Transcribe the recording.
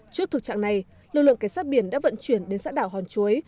trước thực trạng này lực lượng cảnh sát biển đã vận chuyển đến xã đảo hòn chuối